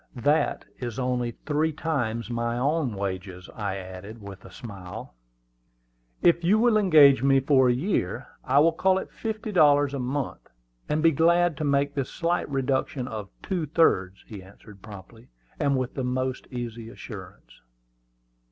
"That is only three times my own wages," I added with a smile. "If you will engage me for a year, I will call it fifty dollars a month, and be glad to make this slight reduction of two thirds," he answered promptly, and with the most easy assurance.